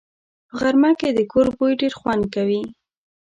په غرمه کې د کور بوی ډېر خوند کوي